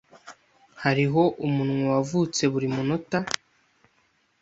Hariho umunwa wavutse buri munota.